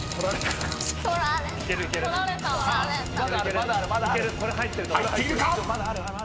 ［さあ入っているか⁉］